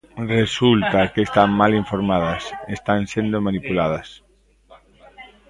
Resulta que están mal informadas, están sendo manipuladas.